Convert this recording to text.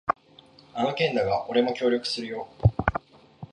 あの件だが、俺も協力するよ。